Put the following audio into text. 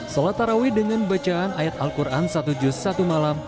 salat taraweh dengan bacaan ayat al quran satu ratus tujuh puluh satu malam